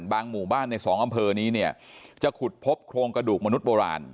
หมู่บ้านในสองอำเภอนี้เนี่ยจะขุดพบโครงกระดูกมนุษย์โบราณ